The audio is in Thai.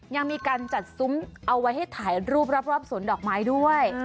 ยังมีการจัดซุ้มเอาไว้ให้ถ่ายรูปรอบสวนดอกไม้ด้วย